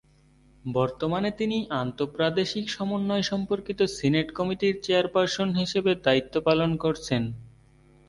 বর্তমানে তিনি আন্তঃ-প্রাদেশিক সমন্বয় সম্পর্কিত সিনেট কমিটির চেয়ারপারসন হিসেবে দায়িত্ব পালন করছেন।